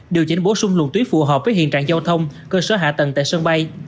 điều chỉnh bổ sung luồng tuyến phù hợp với hiện trạng giao thông cơ sở hạ tầng tại sân bay